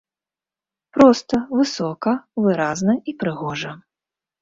Проста, высока, выразна і прыгожа.